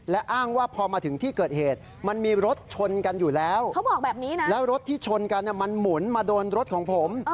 แล้วรถที่ชนกันมันหมุนมาโดนรถของผม